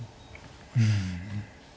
うん。